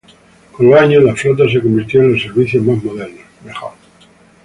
Con los años, la flota se convirtió en los servicios más modernos, mejor.